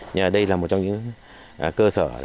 nhờ đây là một trong những cơ sở